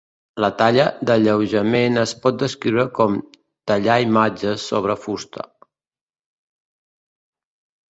La talla d'alleujament es pot descriure com "tallar imatges sobre fusta".